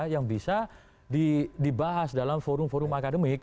yang bisa dibahas dalam forum forum akademik